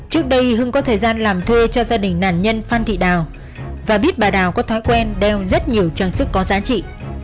trước đây hưng có thời gian làm thuê cho gia đình nạn nhân phan thị đào và biết bà đào có thói quen đeo rất nhiều trang sức có giá trị